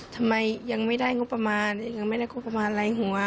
ทำไมยังไม่ได้งบประมาณยังไม่ได้งบประมาณรายหัว